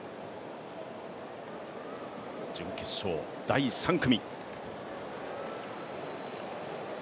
準決勝第３組。